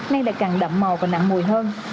nên đã càng đậm màu và nặng mùi hơn